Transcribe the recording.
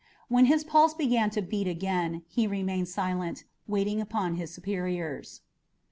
When his pulse began to beat again he remained silent, waiting upon his superiors.